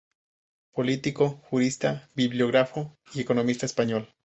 Político, jurista, bibliógrafo y economista español.